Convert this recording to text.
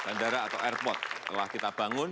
bandara atau airport telah kita bangun